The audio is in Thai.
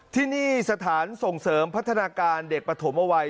ที่นี่สถานส่งเสริมพัฒนาการเด็กปฐมเอาไว้